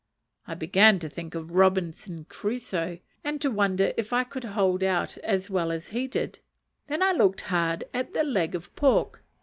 I began to think of Robinson Crusoe, and to wonder if I could hold out as well as he did. Then I looked hard at the leg of pork.